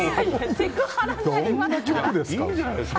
セクハラです。